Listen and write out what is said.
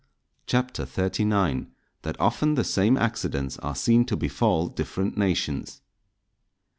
CHAPTER XXXIX.—_That often the same Accidents are seen to befall different Nations.